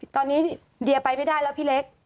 ตอนนี้เดียไปไม่ได้แล้วพี่เล็ก